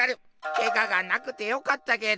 けががなくてよかったけど。